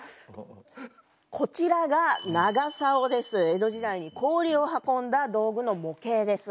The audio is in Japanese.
江戸時代に氷を運んだ道具の模型です。